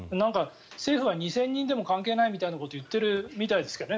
政府は２０００人でも関係ないみたいなことを言ってるみたいですけどね。